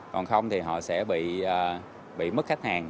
còn không thì họ sẽ bị mất khách hàng